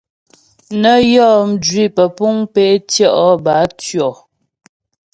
Nə́ yɔ́ mjwi pəpuŋ pé tʉɔ' bə á tʉɔ̀.